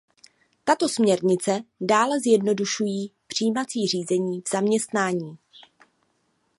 Tato směrnice dále zjednoduší přijímací řízení v zaměstnání.